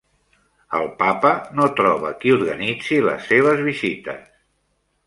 El papa no troba qui organitzi les seves visites